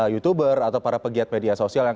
youtuber atau para pegiat media sosial yang